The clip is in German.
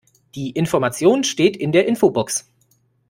Die Information steht in der Infobox.